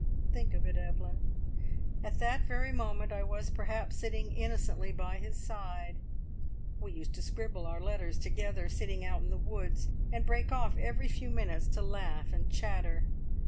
"Think of it, Evelyn at that very moment I was, perhaps, sitting innocently by his side. We used to scribble our letters together, sitting out in the woods, and break off every few minutes to laugh and chatter.